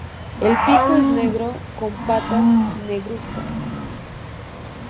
El pico es negro con patas negruzcas.